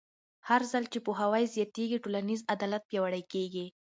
هرځل چې پوهاوی زیاتېږي، ټولنیز عدالت پیاوړی کېږي.